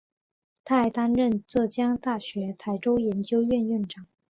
他还担任浙江大学台州研究院院长。